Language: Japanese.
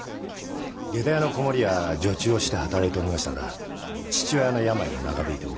下駄屋の子守や女中をして働いておりましたが父親の病が長引いて岡場所に。